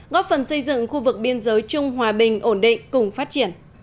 góp phần xây dựng khu vực biên giới chung hòa bình ổn định cùng phát triển